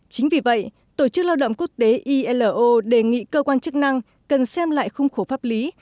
chính vì vậy tổ chức lao động quốc tế ilo đề nghị cơ quan chức năng cần xem lại khung khổ pháp lý